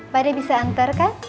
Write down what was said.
pak de bisa antar kan